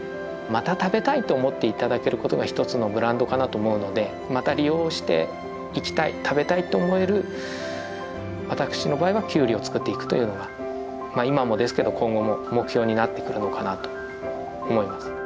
また食べたいと思って頂けることが一つのブランドかなと思うのでまた利用していきたい食べたいと思える私の場合はキュウリを作っていくというのがまあ今もですけど今後も目標になってくるのかなと思います。